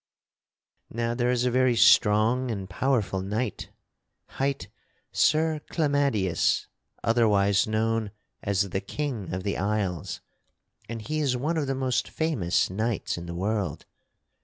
"Now there is a very strong and powerful knight hight Sir Clamadius, otherwise known as the King of the Isles; and he is one of the most famous knights in the world.